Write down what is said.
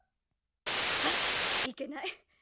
あっいけない！